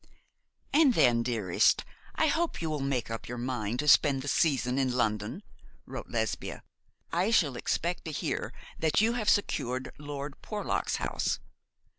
'And then, dearest, I hope you will make up your mind to spend the season in London,' wrote Lesbia. 'I shall expect to hear that you have secured Lord Porlock's house.